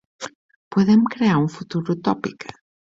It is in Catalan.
Podem crear un futur utòpic.